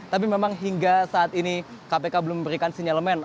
tapi memang hingga saat ini kpk belum memberikan sinyalemen